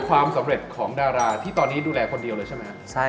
ความสำเร็จของดาราที่ตอนนี้ดูแลคนเดียวเลยใช่ไหมครับ